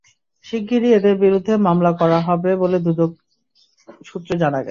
শিগগিরই এঁদের বিরুদ্ধে মামলা করা হবে বলে দুদক সূত্রে জানা গেছে।